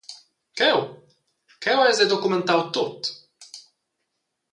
Cheu, cheu eis ei documentau tut.